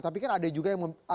tapi kan ada juga yang